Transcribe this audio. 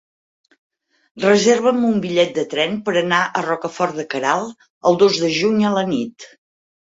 Reserva'm un bitllet de tren per anar a Rocafort de Queralt el dos de juny a la nit.